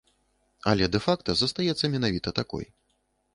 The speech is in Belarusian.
Але дэ-факта застаецца менавіта такой.